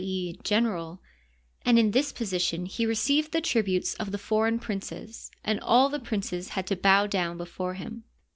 e., general), and in this position he received the tributes of the foreign princes and all the princes had to bow down before him.